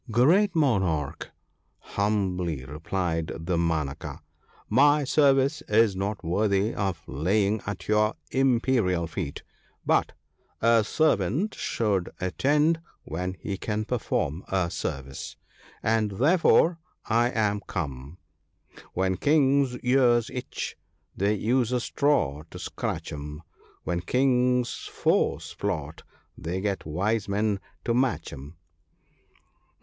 ' Great Monarch !' humbly replied Damanaka, ' my service is not worthy of laying at your imperial feet, but a servant should attend when he can perform a service, and therefore I am come, —" When Kings' ears itch, they use a straw to scratch 'em ; When Kings' foes plot, they get wise men to match 'em."